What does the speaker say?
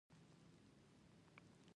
ممکن د استدلال قوه مو تېروتنه وکړي.